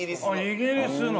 イギリスの？